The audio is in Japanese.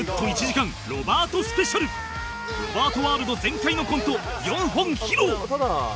ロバートワールド全開のコント４本披露